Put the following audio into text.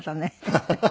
ハハハハ。